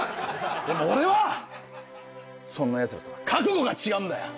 でも俺はそんなヤツらとは覚悟が違うんだよ！